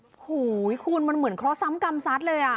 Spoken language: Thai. โอ้โหคุณมันเหมือนเคราะห์กรรมซัดเลย